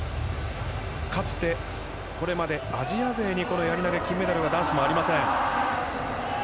かつてこれまでアジア勢にやり投げ、金メダルは男子もありません。